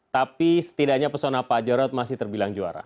tapi setidaknya pesona pak jarod masih terbilang juara